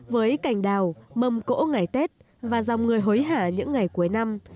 với cành đào mâm cỗ ngày tết và dòng người hối hả những ngày cuối năm